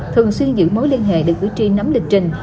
thường xuyên giữ mối liên hệ để cử tri nắm lịch trình